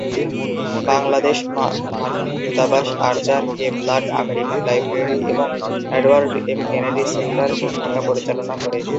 বাংলাদেশে মার্কিন দূতাবাস Archer K Blood American Library এবং Edward M Kennedy Center in Dhaka পরিচালনা করে।